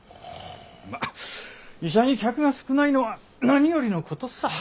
まあ医者に客が少ないのは何よりのことさ。